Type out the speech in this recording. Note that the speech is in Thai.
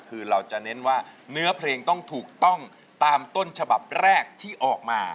คือเราจะเน้นว่าเนื้อเพลงต้องถูกต้องตามต้นฉบับแรกที่ออกมา